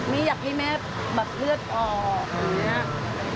นี่อยากให้แม่บัดเลือดออก